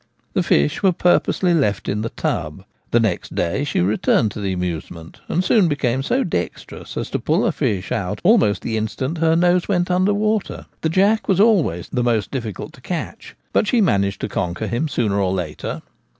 The fish were purposely left in the tub. The next day she returned to the amuse Cunning Spaniels. 97 ment, and soon became so dexterous as to pull a fish out almost the instant her nose went under water. The jack was always the most difficult to catch, but she managed to conquer him sooner or later.